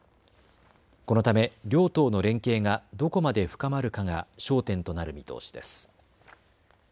このため両党の連携がどこまで深まるかが焦点となる見通しです。